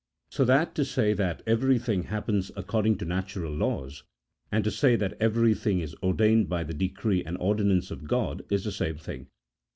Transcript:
45 So that to say that every tiling happens according to natural laws, and to say that everything is ordained by the decree and ordinance of God, is the same thing.